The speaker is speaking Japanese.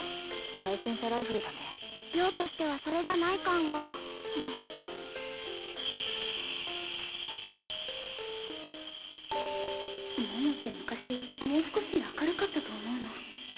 対戦車ライフルだね良としてはそれじゃない感が桃って昔もう少し明るかったと思うの